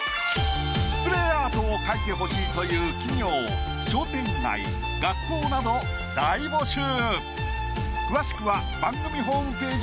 スプレーアートを描いてほしいという企業商店街学校など大募集。